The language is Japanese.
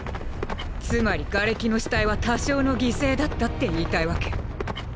つまり瓦礫の死体は多少の犠牲だったって言いたいわけ？